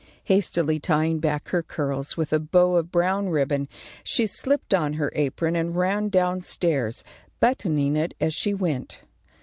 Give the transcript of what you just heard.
Hastily tying back her curls with a bow of brown ribbon, she slipped on her apron, and ran down stairs, buttoning it as she went.